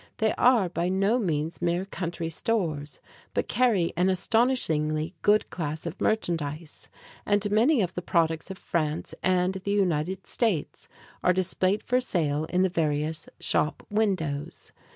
They are by no means mere country stores, but carry an astonishingly good class of merchandise, and many of the products of France and the United States are displayed for sale in the various shop windows.